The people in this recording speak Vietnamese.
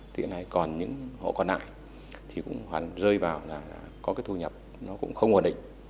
thì còn những hộ còn lại thì cũng hoàn rơi vào là có cái thu nhập nó cũng không hoàn định